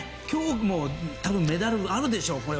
今日もメダルがあるでしょう。